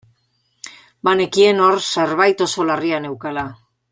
Banekien hor zerbait oso larria neukala.